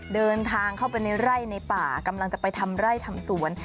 เดินทางเข้าไปในไร่ในป่ากำลังจะไปทำไร่ทำสวน